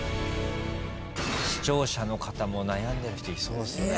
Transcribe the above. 視聴者の方も悩んでる人いそうですね。